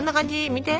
見て。